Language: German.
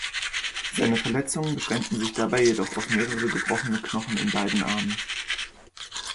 Sein Verletzung beschränkten sich dabei jedoch auf mehrere gebrochene Knochen in beiden Armen.